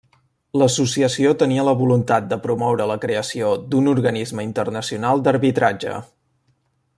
L'associació tenia la voluntat de promoure la creació d'un organisme internacional d'arbitratge.